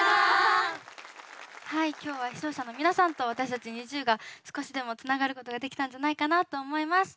今日は視聴者の皆さんと私たちＮｉｚｉＵが少しでもつながることができたんじゃないかなと思います。